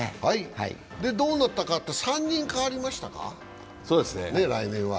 どうなったか３人代わりましたか、来年は。